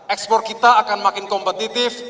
ekspor kita akan makin kompetitif